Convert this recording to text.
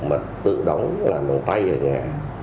mà tự đóng làm bằng tay ở nhà